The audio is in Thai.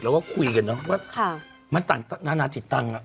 เราก็คุยกันนะมันต่างจิตตังค์